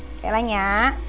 oke lah nyak